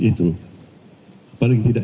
itu paling tidak